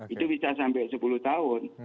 itu bisa sampai sepuluh tahun